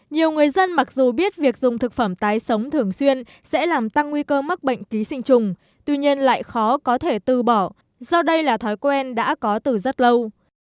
nhiều người dân mặc dù biết việc dùng thực phẩm tái sống thường xuyên sẽ làm tăng nguy cơ mắc bệnh ký sinh trùng tuy nhiên lại khó có thể từ bỏ do đây là thói quen đã có từ rất lâu